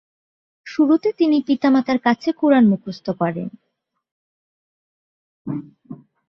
শুরুতে তিনি পিতামাতার কাছে "কুরআন" মুখস্থ করেন।